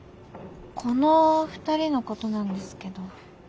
この２人のことなんですけど。